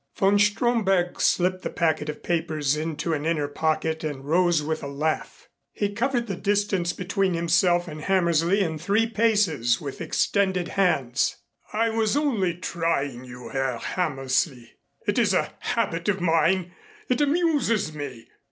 Von Stromberg slipped the packet of papers into an inner pocket and rose with a laugh. He covered the distance between himself and Hammersley in three paces with extended hands. "I was only trying you, Herr Hammersley. It is a habit of mine. It amuses me.